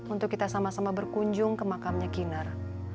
untuk kita sama sama berkunjung ke makamnya ginar